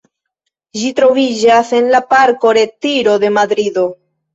Ĝi troviĝas en la Parko Retiro de Madrido.